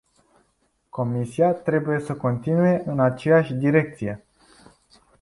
Comisia trebuie să continue în aceeași direcție.